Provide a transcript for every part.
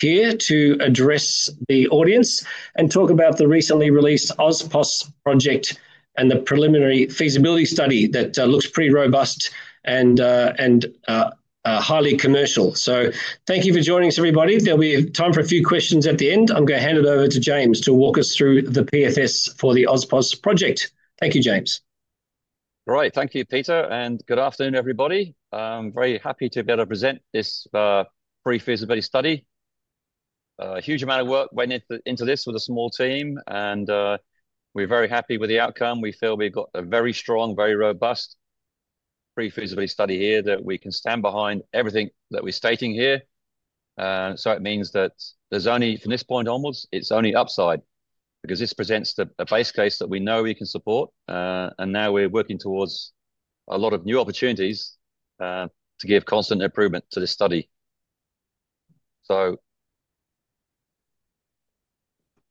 Here to address the audience and talk about the recently released AusPozz project and the preliminary feasibility study that looks pretty robust and highly commercial. Thank you for joining us, everybody. There'll be time for a few questions at the end. I'm going to hand it over to James to walk us through the PFS for the AusPozz project. Thank you, James. Right, thank you, Peter, and good afternoon, everybody. I'm very happy to be able to present this pre-feasibility study. A huge amount of work went into this with a small team, and we're very happy with the outcome. We feel we've got a very strong, very robust pre-feasibility study here that we can stand behind everything that we're stating here. It means that from this point onwards, it's only upside because this presents a base case that we know we can support. Now we're working towards a lot of new opportunities to give constant improvement to this study.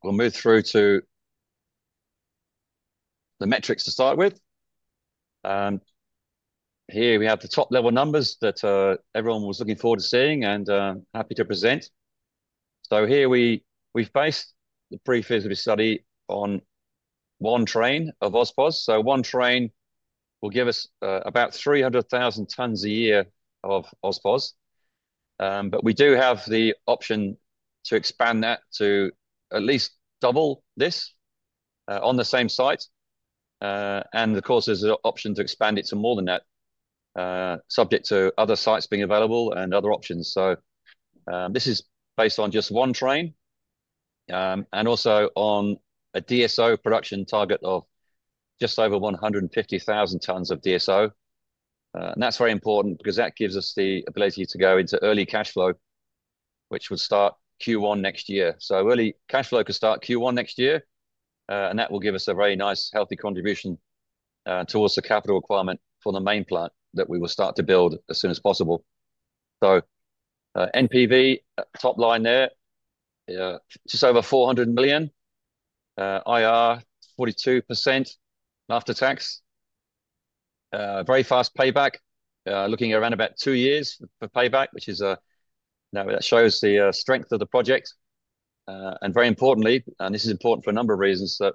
We'll move through to the metrics to start with. Here we have the top-level numbers that everyone was looking forward to seeing and happy to present. Here we based the pre-feasibility study on one train of AusPozz. One train will give us about 300,000 tonnes a year of AusPozz. We do have the option to expand that to at least double this on the same site. Of course, there's an option to expand it to more than that, subject to other sites being available and other options. This is based on just one train and also on a DSO production target of just over 150,000 tonnes of DSO. That's very important because that gives us the ability to go into early cash flow, which will start Q1 next year. Early cash flow could start Q1 next year, and that will give us a very nice, healthy contribution towards the capital requirement for the main plant that we will start to build as soon as possible. NPV, top line there, just over AUD 400 million, IRR 42% after tax. Very fast payback, looking at around about two years for payback, which is now that shows the strength of the project. Very importantly, and this is important for a number of reasons, that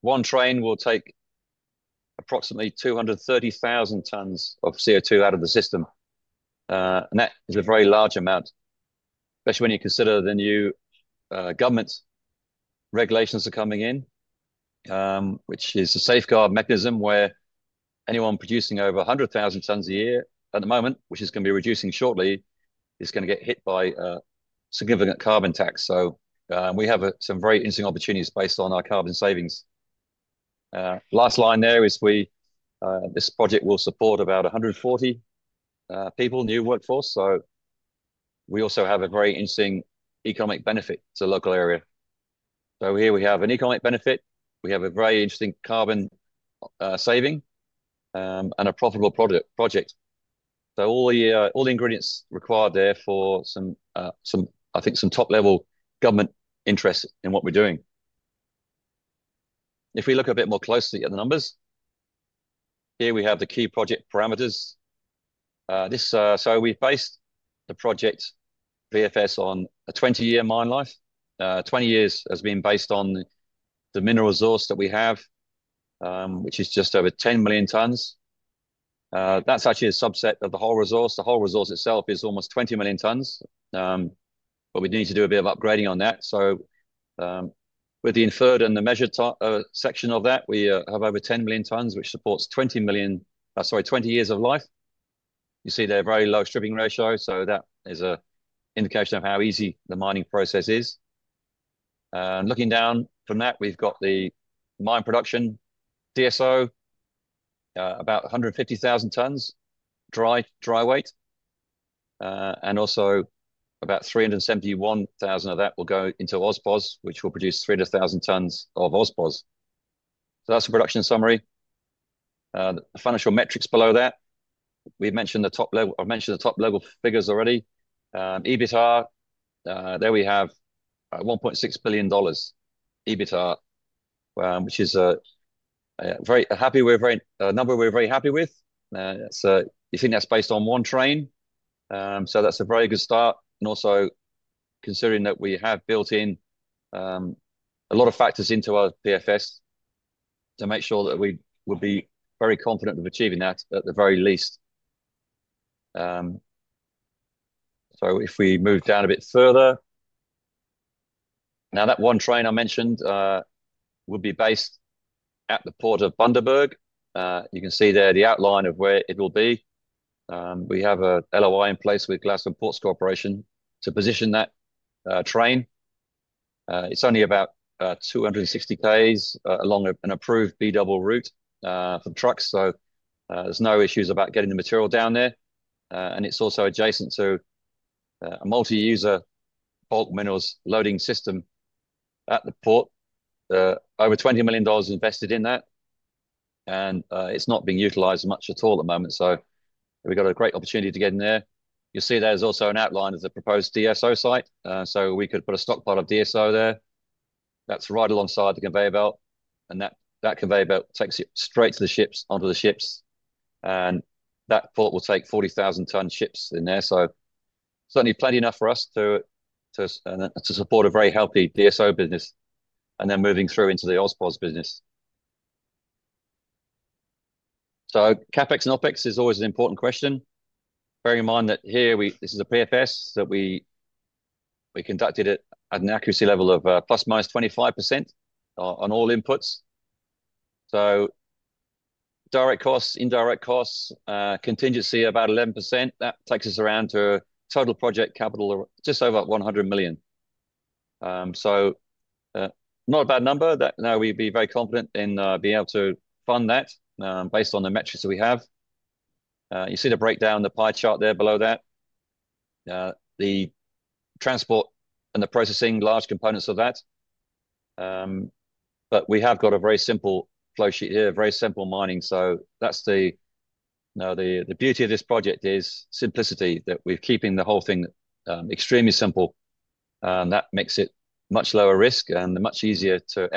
one train will take approximately 230,000 tonnes of CO2 out of the system. That is a very large amount, especially when you consider the new government regulations are coming in, which is a safeguard mechanism where anyone producing over 100,000 tonnes a year at the moment, which is going to be reducing shortly, is going to get hit by a significant carbon tax. We have some very interesting opportunities based on our carbon savings. Last line there is this project will support about 140 people, new workforce. We also have a very interesting economic benefit to the local area. Here we have an economic benefit. We have a very interesting carbon saving and a profitable project. All the ingredients required are there for some, I think, some top-level government interest in what we're doing. If we look a bit more closely at the numbers, here we have the key project parameters. We've based the project PFS on a 20-year mine life. 20 years has been based on the mineral resource that we have, which is just over 10 million tonnes. That's actually a subset of the whole resource. The whole resource itself is almost 20 million tonnes, but we need to do a bit of upgrading on that. With the inferred and the measured section of that, we have over 10 million tonnes, which supports 20 years of life. You see there a very low stripping ratio, so that is an indication of how easy the mining process is. Looking down from that, we've got the mine production DSO, about 150,000 tonnes, dry weight, and also about 371,000 of that will go into AusPozz, which will produce 300,000 tonnes of AusPozz. That's the production summary. The financial metrics below that, we've mentioned the top level, I've mentioned the top-level figures already. EBITDA, there we have 1.6 billion dollars EBITDA, which is a number we're very happy with. You see that's based on one train. That's a very good start. Also considering that we have built in a lot of factors into our PFS to make sure that we would be very confident of achieving that at the very least. If we move down a bit further, now that one train I mentioned would be based at the port of Bundaberg. You can see there the outline of where it will be. We have a LOI in place with Gladstone Ports Corporation to position that train. It's only about 260 km along an approved B double route for trucks. There's no issues about getting the material down there. It's also adjacent to a multi-user bulk minerals loading system at the port. Over 20 million dollars invested in that. It's not being utilised much at all at the moment. We've got a great opportunity to get in there. You'll see there's also an outline of the proposed DSO site. We could put a stockpile of DSO there. That's right alongside the conveyor belt. That conveyor belt takes it straight to the ships, onto the ships. That port will take 40,000 tonnes ships in there. Certainly plenty enough for us to support a very healthy DSO business and then moving through into the AusPozz business. CapEx and OpEx is always an important question. Bearing in mind that here this is a PFS that we conducted at an accuracy level of ±25% on all inputs. Direct costs, indirect costs, contingency about 11%. That takes us around to total project capital just over 100 million. Not a bad number that now we'd be very confident in being able to fund that based on the metrics that we have. You see the breakdown, the pie chart there below that, the transport and the processing, large components of that. We have got a very simple flowsheet here, very simple mining. That's the beauty of this project is simplicity that we're keeping the whole thing extremely simple. That makes it much lower risk and much easier to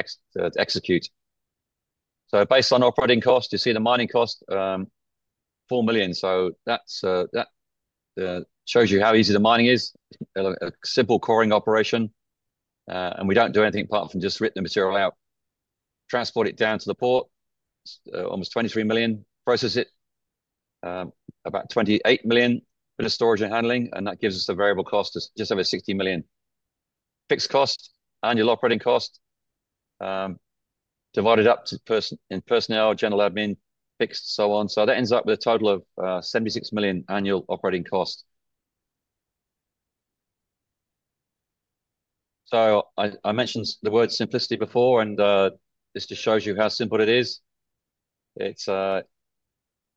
execute. Based on operating cost, you see the mining cost, 4 million. That shows you how easy the mining is, a simple coring operation. We do not do anything apart from just rip the material out, transport it down to the port, almost 23 million, process it, about 28 million for the storage and handling. That gives us a variable cost of just over 60 million. Fixed cost, annual operating cost divided up in personnel, general admin, fixed, so on. That ends up with a total of 76 million annual operating cost. I mentioned the word simplicity before, and this just shows you how simple it is. It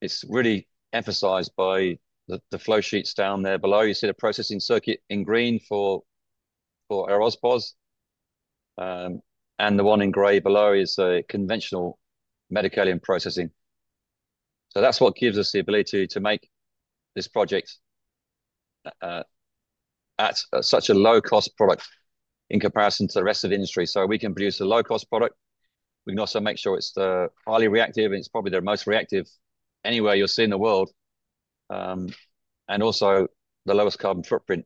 is really emphasized by the flowsheets down there below. You see the processing circuit in green for AusPozz. The one in gray below is conventional metakaolin processing. That is what gives us the ability to make this project at such a low-cost product in comparison to the rest of the industry. We can produce a low-cost product. We can also make sure it is highly reactive, and it is probably the most reactive anywhere you will see in the world. Also, the lowest carbon footprint.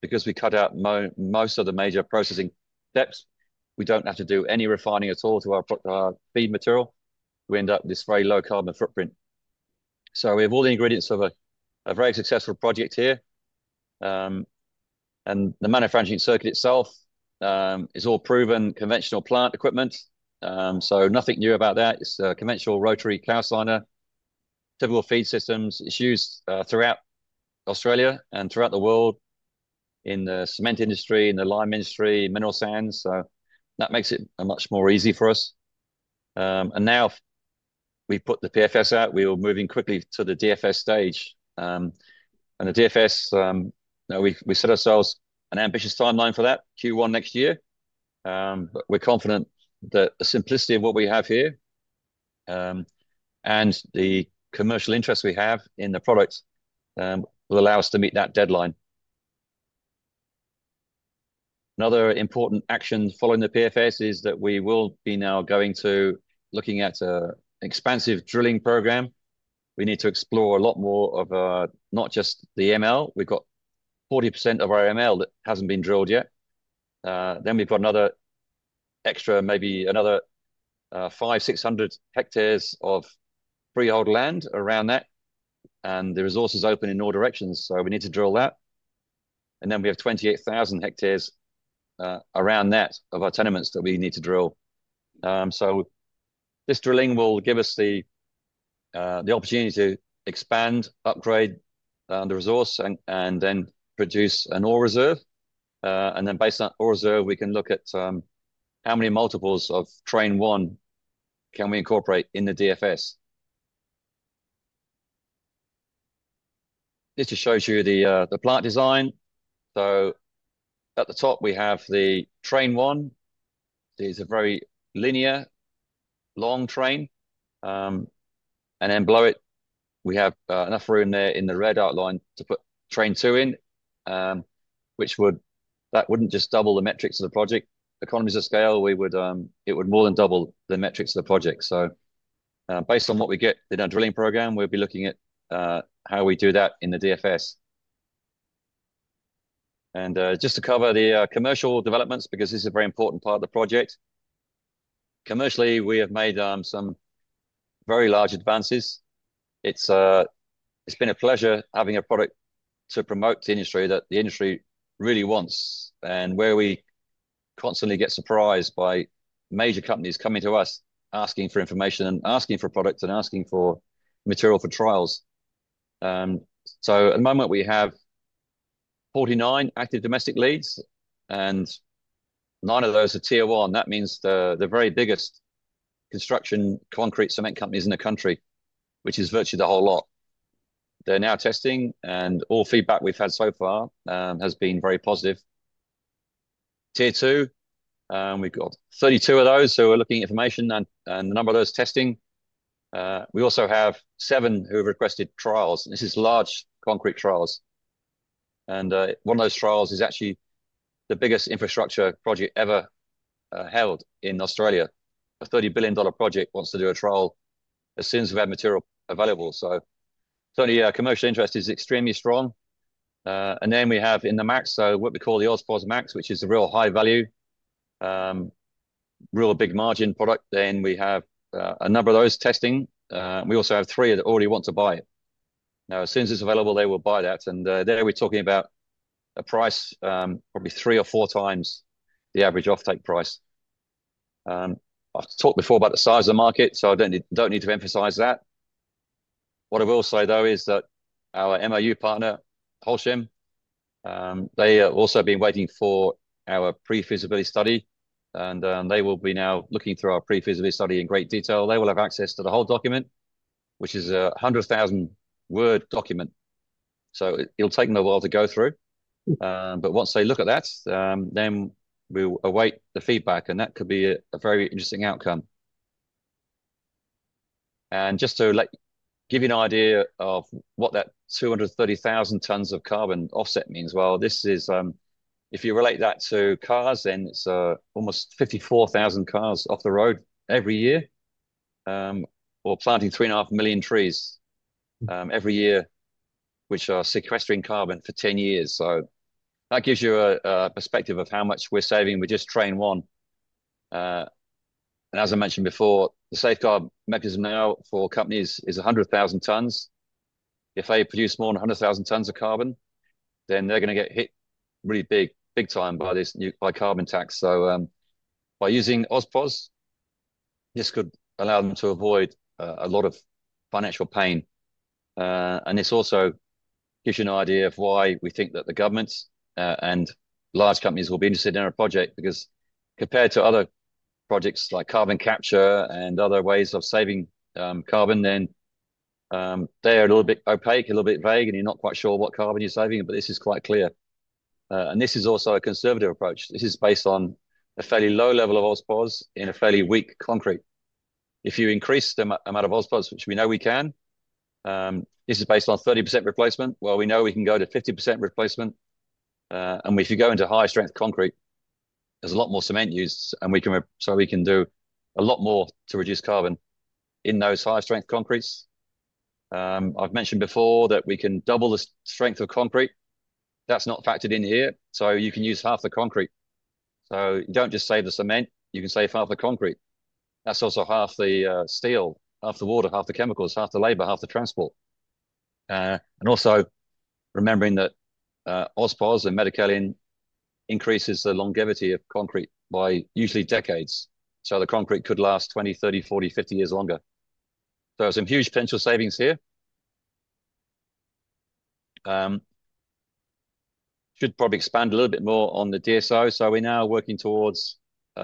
Because we cut out most of the major processing steps, we do not have to do any refining at all to our feed material. We end up with this very low carbon footprint. We have all the ingredients of a very successful project here. The manufacturing circuit itself is all proven conventional plant equipment. Nothing new about that. It is a conventional rotary calciner, typical feed systems. It is used throughout Australia and throughout the world in the cement industry, in the lime industry, mineral sands. That makes it much more easy for us. Now we've put the PFS out. We are moving quickly to the DFS stage. The DFS, we set ourselves an ambitious timeline for that, Q1 next year. We're confident that the simplicity of what we have here and the commercial interest we have in the product will allow us to meet that deadline. Another important action following the PFS is that we will be now going to looking at an expansive drilling program. We need to explore a lot more of not just the ML. We've got 40% of our ML that hasn't been drilled yet. We've got another extra, maybe another 500 hectares-600 hectares of freehold land around that. The resource is open in all directions. We need to drill that. We have 28,000 hectares around that of our tenements that we need to drill. This drilling will give us the opportunity to expand, upgrade the resource, and then produce an ore reserve. Based on ore reserve, we can look at how many multiples of train one we can incorporate in the DFS. This just shows you the plant design. At the top, we have the train one. It is a very linear, long train. Below it, we have enough room there in the red outline to put train two in, which would not just double the metrics of the project. Economies of scale, it would more than double the metrics of the project. Based on what we get in our drilling program, we will be looking at how we do that in the DFS. Just to cover the commercial developments, because this is a very important part of the project. Commercially, we have made some very large advances. It's been a pleasure having a product to promote that the industry really wants. We constantly get surprised by major companies coming to us asking for information and asking for products and asking for material for trials. At the moment, we have 49 active domestic leads, and nine of those are tier one. That means the very biggest construction concrete cement companies in the country, which is virtually the whole lot. They're now testing, and all feedback we've had so far has been very positive. Tier two, we've got 32 of those who are looking at information and the number of those testing. We also have seven who have requested trials. This is large concrete trials. One of those trials is actually the biggest infrastructure project ever held in Australia. A 30 billion dollar project wants to do a trial as soon as we have material available. Certainly, commercial interest is extremely strong. We have in the max, so what we call the AusPozz max, which is a real high value, real big margin product. We have a number of those testing. We also have three that already want to buy it. As soon as it's available, they will buy that. There we're talking about a price probably three or four times the average offtake price. I've talked before about the size of the market, so I don't need to emphasize that. What I will say, though, is that our MOU partner, Holcim, they have also been waiting for our pre-feasibility study. They will be now looking through our pre-feasibility study in great detail. They will have access to the whole document, which is a 100,000-word document. It will take them a while to go through. Once they look at that, we will await the feedback, and that could be a very interesting outcome. Just to give you an idea of what that 230,000 tonnes of carbon offset means, if you relate that to cars, then it is almost 54,000 cars off the road every year, or planting 3.5 million trees every year, which are sequestering carbon for 10 years. That gives you a perspective of how much we are saving with just train one. As I mentioned before, the safeguard mechanism now for companies is 100,000 tonnes. If they produce more than 100,000 tonnes of carbon, then they're going to get hit really big, big time by this new carbon tax. By using AusPozz, this could allow them to avoid a lot of financial pain. This also gives you an idea of why we think that the governments and large companies will be interested in our project. Compared to other projects like carbon capture and other ways of saving carbon, they are a little bit opaque, a little bit vague, and you're not quite sure what carbon you're saving, but this is quite clear. This is also a conservative approach. This is based on a fairly low level of AusPozz in a fairly weak concrete. If you increase the amount of AusPozz, which we know we can, this is based on 30% replacement. We know we can go to 50% replacement. If you go into high-strength concrete, there's a lot more cement used. We can do a lot more to reduce carbon in those high-strength concretes. I've mentioned before that we can double the strength of concrete. That's not factored in here. You can use half the concrete. You don't just save the cement. You can save half the concrete. That's also half the steel, half the water, half the chemicals, half the labor, half the transport. Also remembering that AusPozz and metakaolin increases the longevity of concrete by usually decades. The concrete could last 20, 30, 40, 50 years longer. There is some huge potential savings here. Should probably expand a little bit more on the DSO. We are now working towards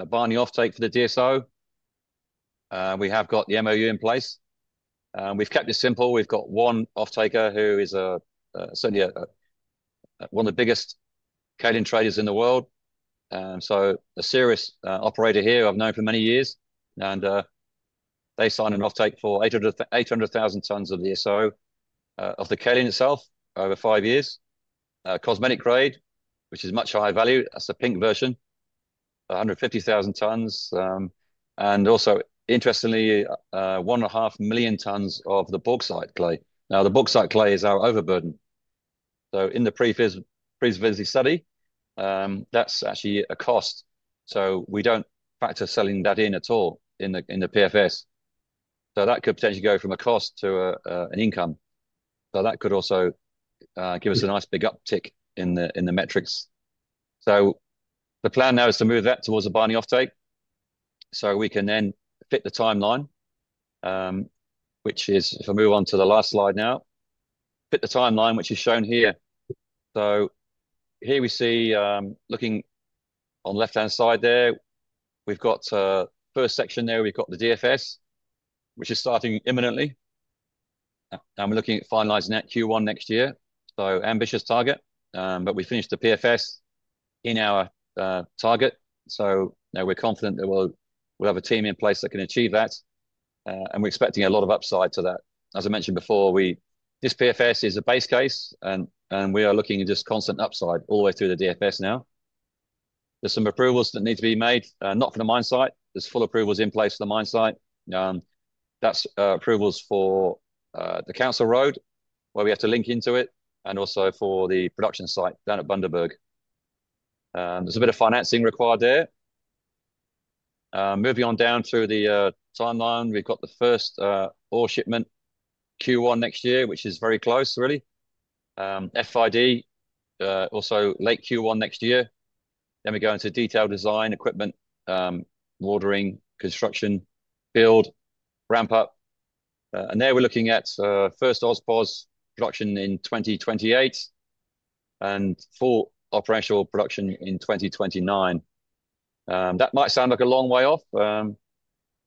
buying the offtake for the DSO. We have got the MOU in place. We've kept it simple. We've got one offtaker who is certainly one of the biggest kaolin traders in the world. A serious operator here I've known for many years. They signed an offtake for 800,000 tonnes of the DSO, of the kaolin itself, over five years. Cosmetic grade, which is much higher value. That's the pink version, 150,000 tonnes. Also, interestingly, 1.5 million tonnes of the bauxite clay. Now, the bauxite clay is our overburden. In the pre-feasibility study, that's actually a cost. We do not factor selling that in at all in the PFS. That could potentially go from a cost to an income. That could also give us a nice big uptick in the metrics. The plan now is to move that towards a buying offtake so we can then fit the timeline, which is, if I move on to the last slide now, fit the timeline, which is shown here. Here we see, looking on the left-hand side there, we've got the first section there. We've got the DFS, which is starting imminently. We're looking at finalizing that Q1 next year. Ambitious target. We finished the PFS in our target. Now we're confident that we'll have a team in place that can achieve that. We're expecting a lot of upside to that. As I mentioned before, this PFS is a base case, and we are looking at just constant upside all the way through the DFS now. There's some approvals that need to be made, not for the mine site. There's full approvals in place for the mine site. That's approvals for the council road, where we have to link into it, and also for the production site down at Bundaberg. There's a bit of financing required there. Moving on down through the timeline, we've got the first ore shipment Q1 next year, which is very close, really. FID, also late Q1 next year. We go into detailed design, equipment, watering, construction, build, ramp up. There we're looking at first AusPozz production in 2028 and full operational production in 2029. That might sound like a long way off,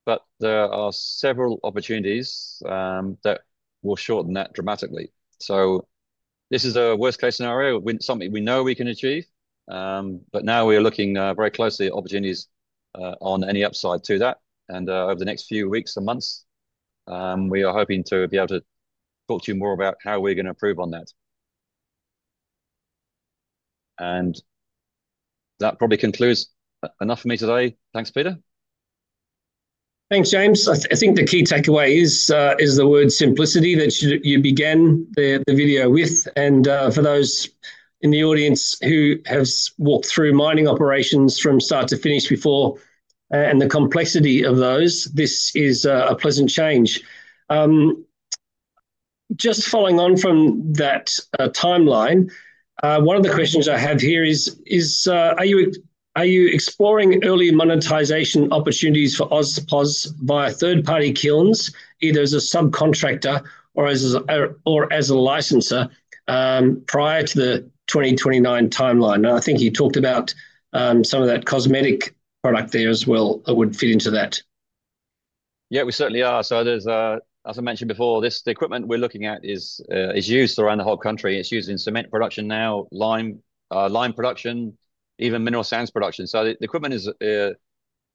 but there are several opportunities that will shorten that dramatically. This is a worst-case scenario, something we know we can achieve. Now we are looking very closely at opportunities on any upside to that. Over the next few weeks and months, we are hoping to be able to talk to you more about how we're going to improve on that. That probably concludes enough for me today. Thanks, Peter. Thanks, James. I think the key takeaway is the word simplicity that you begin the video with. For those in the audience who have walked through mining operations from start to finish before and the complexity of those, this is a pleasant change. Just following on from that timeline, one of the questions I have here is, are you exploring early monetisation opportunities for AusPozz via third-party kilns, either as a subcontractor or as a licensor prior to the 2029 timeline? I think you talked about some of that cosmetic product there as well that would fit into that. Yeah, we certainly are. As I mentioned before, this equipment we're looking at is used around the whole country. It's used in cement production now, lime production, even mineral sands production. The equipment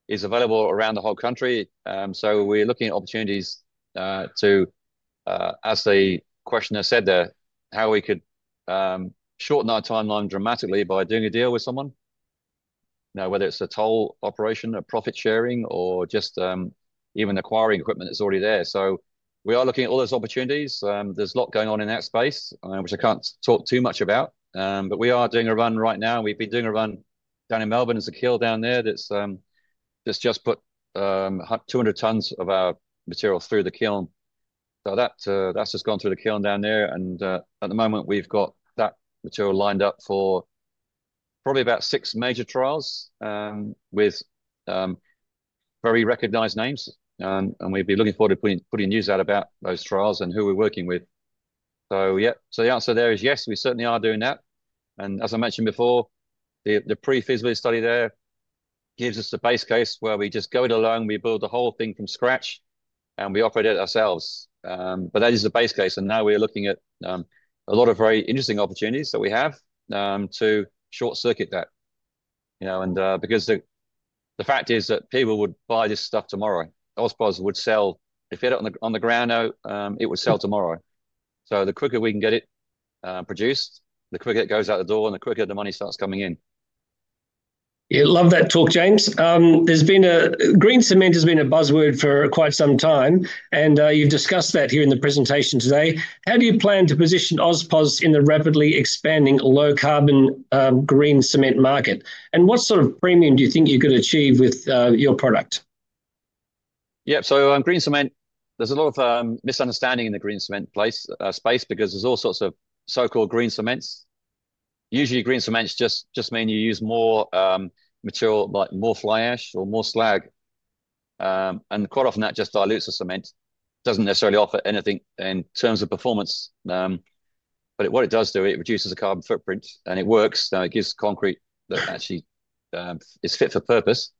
is available around the whole country. We're looking at opportunities to, as the questioner said there, how we could shorten our timeline dramatically by doing a deal with someone, whether it's a toll operation, a profit sharing, or just even acquiring equipment that's already there. We are looking at all those opportunities. There's a lot going on in that space, which I can't talk too much about. We are doing a run right now. We've been doing a run down in Melbourne as a kiln down there that's just put 200 tonnes of our material through the kiln. That's just gone through the kiln down there. At the moment, we've got that material lined up for probably about six major trials with very recognized names. We've been looking forward to putting news out about those trials and who we're working with. Yeah, the answer there is yes, we certainly are doing that. As I mentioned before, the pre-feasibility study there gives us a base case where we just go it alone. We build the whole thing from scratch, and we operate it ourselves. That is the base case. Now we're looking at a lot of very interesting opportunities that we have to short-circuit that. The fact is that people would buy this stuff tomorrow. AusPozz would sell. If you had it on the ground now, it would sell tomorrow. The quicker we can get it produced, the quicker it goes out the door, and the quicker the money starts coming in. Yeah, love that talk, James. There's been a green cement has been a buzzword for quite some time. And you've discussed that here in the presentation today. How do you plan to position AusPozz in the rapidly expanding low-carbon green cement market? And what sort of premium do you think you could achieve with your product? Yeah, so green cement, there's a lot of misunderstanding in the green cement space because there's all sorts of so-called green cements. Usually, green cements just mean you use more material, like more fly ash or more slag. Quite often, that just dilutes the cement. It doesn't necessarily offer anything in terms of performance. What it does do, it reduces the carbon footprint, and it works. It gives concrete that actually is fit for purpose.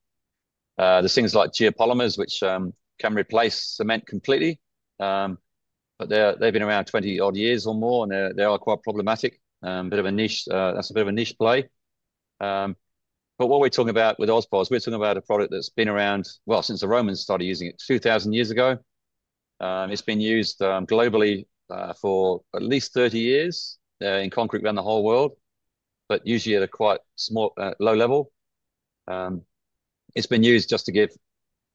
There are things like geopolymer which can replace cement completely. They have been around 20-odd years or more, and they are quite problematic. A bit of a niche. That is a bit of a niche play. What we are talking about with AusPozz, we are talking about a product that has been around, well, since the Romans started using it 2,000 years ago. It has been used globally for at least 30 years in concrete around the whole world, but usually at a quite small low level. It has been used just to give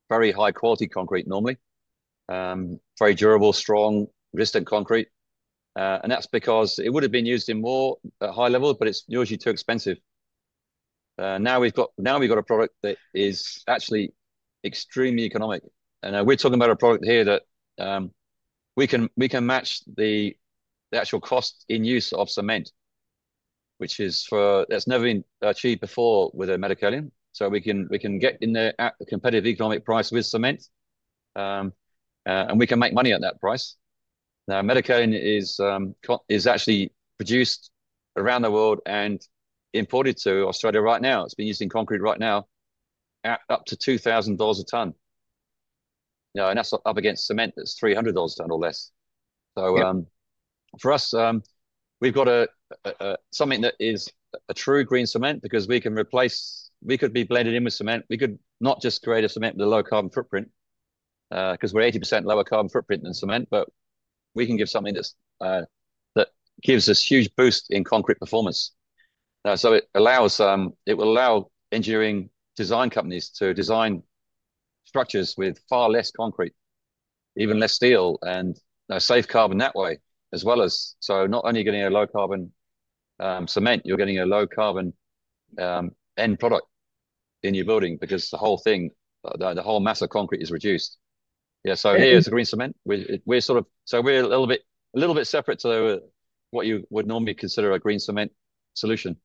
very high-quality concrete normally, very durable, strong, resistant concrete. That is because it would have been used in more high levels, but it is usually too expensive. Now we have got a product that is actually extremely economic. We're talking about a product here that we can match the actual cost in use of cement, which has never been achieved before with a metakaolin. We can get in there at a competitive economic price with cement, and we can make money at that price. Now, metakaolin is actually produced around the world and imported to Australia right now. It's been used in concrete right now at up to 2,000 dollars a tonne. That's up against cement that's 300 dollars a tonne or less. For us, we've got something that is a true green cement because we could be blended in with cement. We could not just create a cement with a low carbon footprint because we're 80% lower carbon footprint than cement, but we can give something that gives us huge boost in concrete performance. It will allow engineering design companies to design structures with far less concrete, even less steel, and save carbon that way as well. Not only are you getting a low-carbon cement, you're getting a low-carbon end product in your building because the whole mass of concrete is reduced. Yeah, here's the green cement. We're a little bit separate to what you would normally consider a green cement solution.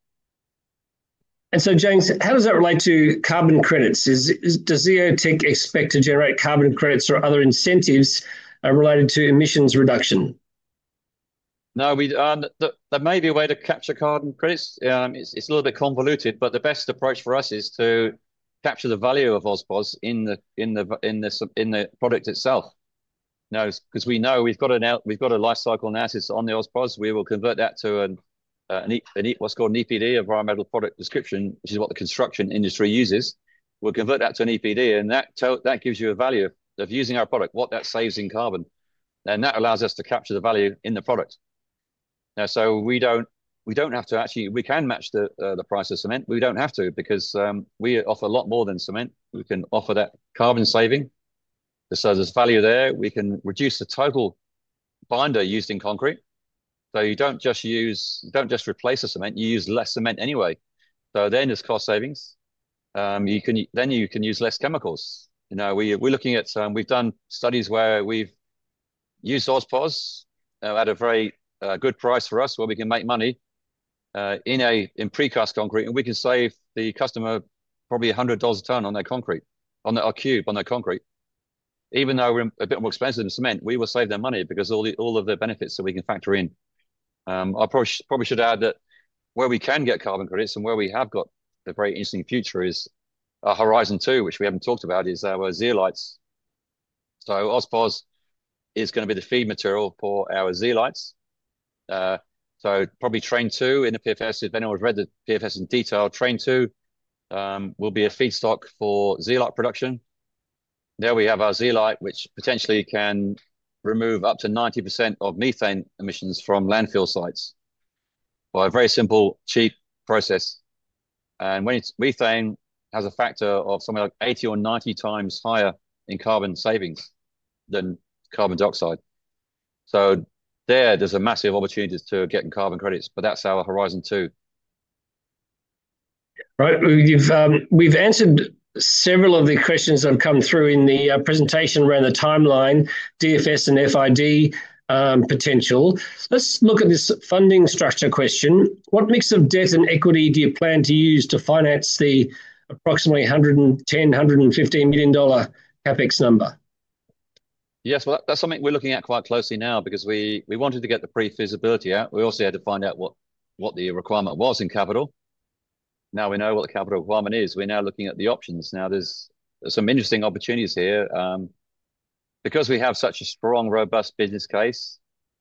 James, how does that relate to carbon credits? Does Zeotech expect to generate carbon credits or other incentives related to emissions reduction? No, there may be a way to capture carbon credits. It's a little bit convoluted, but the best approach for us is to capture the value of AusPozz in the product itself. We know we've got a life cycle analysis on the AusPozz. We will convert that to what's called an EPD, Environmental Product Description, which is what the construction industry uses. We'll convert that to an EPD, and that gives you a value of using our product, what that saves in carbon. That allows us to capture the value in the product. We don't have to actually—we can match the price of cement. We don't have to because we offer a lot more than cement. We can offer that carbon saving. There is value there. We can reduce the total binder used in concrete. You don't just replace the cement. You use less cement anyway. There are cost savings. You can use less chemicals. We're looking at—we've done studies where we've used AusPozz at a very good price for us, where we can make money in pre-cast concrete. We can save the customer probably 100 dollars a tonne on their concrete, on their cube, on their concrete. Even though we are a bit more expensive than cement, we will save them money because of all of the benefits that we can factor in. I probably should add that where we can get carbon credits and where we have got the very interesting future is Horizon 2, which we have not talked about, is our zeolites. AusPozz is going to be the feed material for our zeolites. Probably Train 2 in the PFS. If anyone has read the PFS in detail, Train 2 will be a feedstock for zeolite production. There we have our zeolite, which potentially can remove up to 90% of methane emissions from landfill sites by a very simple, cheap process. Methane has a factor of something like 80 or 90 times higher in carbon savings than carbon dioxide. There is a massive opportunity to get carbon credits, but that's our Horizon 2. Right. We've answered several of the questions that have come through in the presentation around the timeline, DFS and FID potential. Let's look at this funding structure question. What mix of debt and equity do you plan to use to finance the approximately 110 million-115 million dollar CapEx number? Yes, that's something we're looking at quite closely now because we wanted to get the pre-feasibility out. We also had to find out what the requirement was in capital. Now we know what the capital requirement is. We're now looking at the options. There are some interesting opportunities here. Because we have such a strong, robust business case,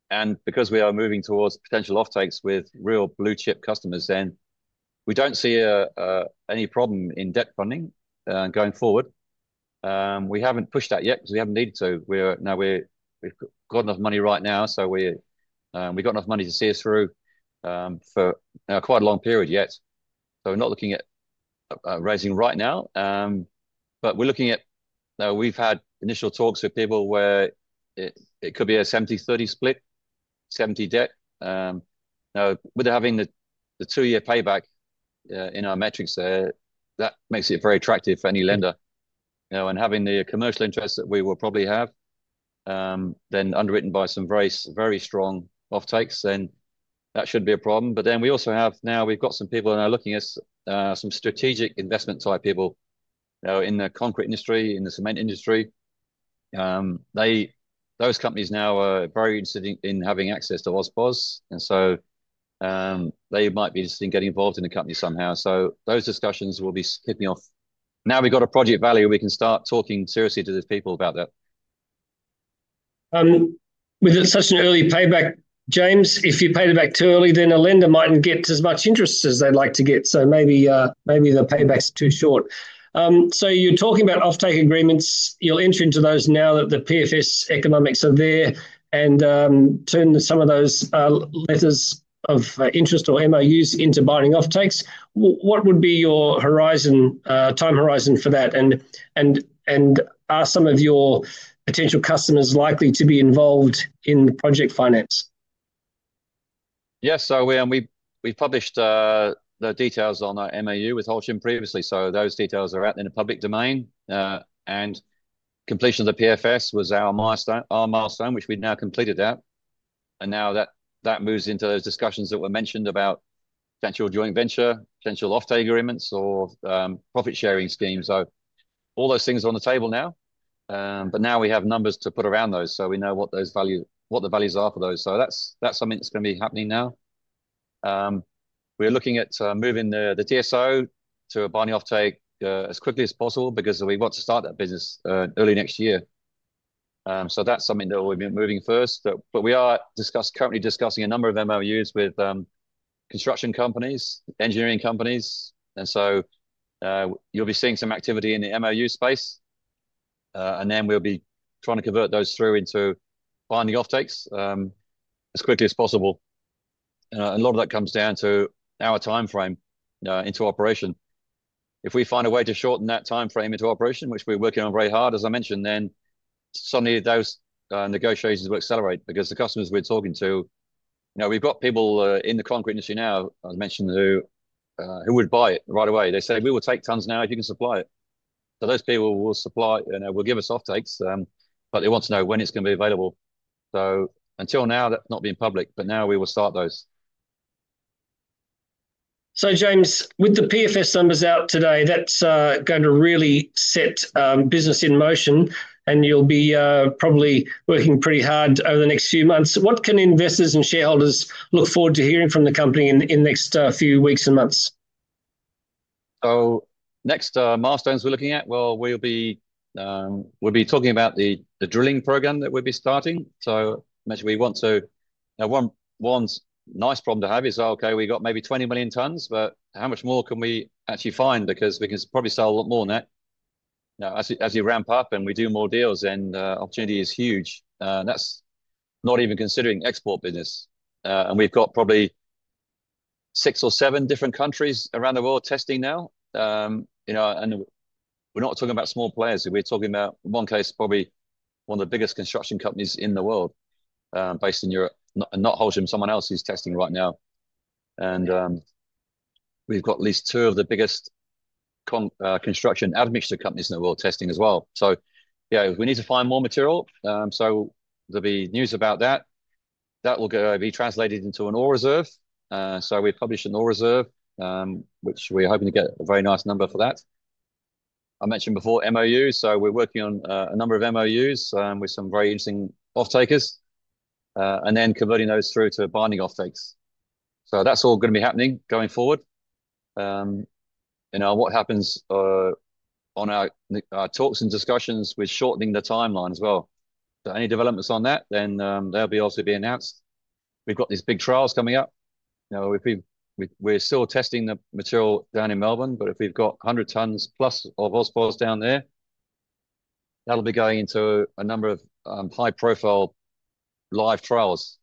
and because we are moving towards potential offtakes with real blue-chip customers, we do not see any problem in debt funding going forward. We have not pushed that yet because we have not needed to. Now, we have enough money right now, so we have enough money to see us through for quite a long period yet. We are not looking at raising right now, but we are looking at—now, we have had initial talks with people where it could be a 70-30 split, 70 debt. Now, with having the two-year payback in our metrics there, that makes it very attractive for any lender. And having the commercial interest that we will probably have, then underwritten by some very strong offtakes, that should not be a problem. But then we also have, now, we've got some people that are looking at some strategic investment-type people in the concrete industry, in the cement industry. Those companies now are very interested in having access to AusPozz. And so they might be interested in getting involved in the company somehow. So those discussions will be skipping off. Now we've got a project value. We can start talking seriously to these people about that. With such an early payback, James, if you pay it back too early, then a lender mightn't get as much interest as they'd like to get. So maybe the payback's too short. So you're talking about offtake agreements. You'll enter into those now that the PFS economics are there and turn some of those letters of interest or MOUs into binding offtakes. What would be your time horizon for that? Are some of your potential customers likely to be involved in project finance? Yes, we published the details on our MOU with Holcim previously. Those details are out in the public domain. Completion of the PFS was our milestone, which we've now completed. That moves into those discussions that were mentioned about potential joint venture, potential offtake agreements, or profit sharing schemes. All those things are on the table now. Now we have numbers to put around those. We know what the values are for those. That is something that is going to be happening now. We are looking at moving the TSO to a binding offtake as quickly as possible because we want to start that business early next year. That is something that we have been moving first. We are currently discussing a number of MOUs with construction companies, engineering companies. You will be seeing some activity in the MOU space. We will be trying to convert those through into binding offtakes as quickly as possible. A lot of that comes down to our timeframe into operation. If we find a way to shorten that timeframe into operation, which we are working on very hard, as I mentioned, then suddenly those negotiations will accelerate because the customers we are talking to, we have people in the concrete industry now, as I mentioned, who would buy it right away. They say, "We will take tons now if you can supply it." Those people will supply it and will give us offtakes, but they want to know when it is going to be available. Until now, that has not been public, but now we will start those. James, with the PFS numbers out today, that's going to really set business in motion, and you'll be probably working pretty hard over the next few months. What can investors and shareholders look forward to hearing from the company in the next few weeks and months? Next milestones we're looking at, we'll be talking about the drilling program that we'll be starting. One nice problem to have is, okay, we've got maybe 20 million tons, but how much more can we actually find? Because we can probably sell a lot more than that. As you ramp up and we do more deals, the opportunity is huge. That's not even considering export business. We've got probably six or seven different countries around the world testing now. We're not talking about small players. We're talking about, in one case, probably one of the biggest construction companies in the world based in Europe, not Holcim, someone else who's testing right now. And we've got at least two of the biggest construction admixture companies in the world testing as well. Yeah, we need to find more material. There'll be news about that. That will be translated into an ore reserve. We published an ore reserve, which we're hoping to get a very nice number for. I mentioned before MOUs. We're working on a number of MOUs with some very interesting offtakers and then converting those through to binding offtakes. That's all going to be happening going forward. What happens on our talks and discussions with shortening the timeline as well? Any developments on that, they'll obviously be announced. We've got these big trials coming up. We're still testing the material down in Melbourne, but if we've got 100 tonnes plus of AusPozz down there, that'll be going into a number of high-profile live trials.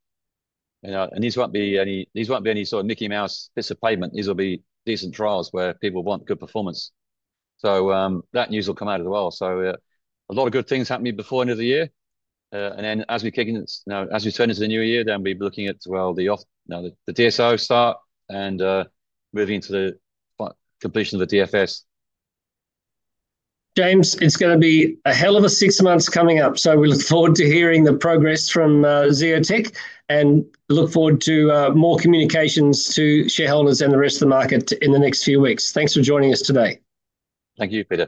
These won't be any sort of Mickey Mouse bits of pavement. These will be decent trials where people want good performance. That news will come out as well. A lot of good things happening before the end of the year. As we turn into the new year, we'll be looking at, well, the DSO start and moving into the completion of the DFS. James, it's going to be a hell of a six months coming up. We look forward to hearing the progress from Zeotech and look forward to more communications to shareholders and the rest of the market in the next few weeks. Thanks for joining us today. Thank you.